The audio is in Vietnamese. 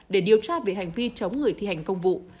để điều tra về hành vi chống người thi hành công vụ